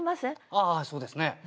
ああそうですね。